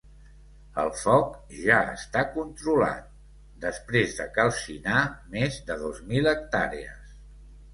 El foc ja està controlat, després de calcinar més de dos mil hectàrees.